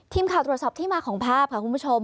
ทีมข่าวตรวจสอบที่มาของภาพค่ะคุณผู้ชม